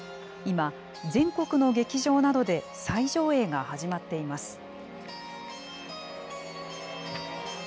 今、全国の劇場などで再上映が始まっています。